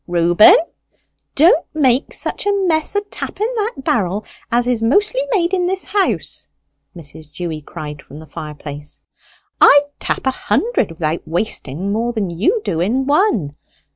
"Reuben, don't make such a mess o' tapping that barrel as is mostly made in this house," Mrs. Dewy cried from the fireplace. "I'd tap a hundred without wasting more than you do in one.